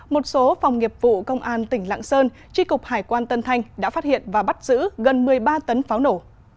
một số phòng nghiệp vụ công an tỉnh lạng sơn tri cục hải quan tân thanh đã phát hiện và bắt giữ gần một mươi ba tấn pháo nổ